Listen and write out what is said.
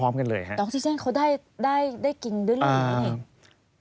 ออกซิเจนเขาได้กินด้วยหรือไม่ได้